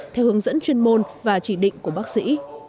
theo hướng dẫn chuyên môn và chỉ định của bác sĩ